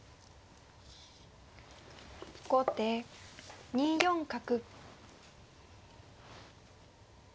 後手２四角。